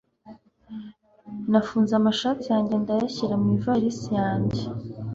nafunze amashati yanjye ndayashyira mu ivarisi yanjye